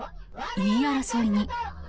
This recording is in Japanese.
言い争いに。